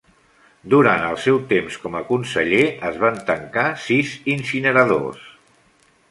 Durant el seu temps com a conseller, es van tancar sis incineradors.